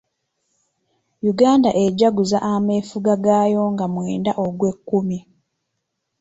Uganda ejaguza ameefuga gaayo nga mwenda ogwekkumi.